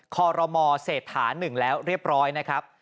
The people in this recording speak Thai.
คอรมอเศรษฐา๑แล้วเรียบร้อยนะครับ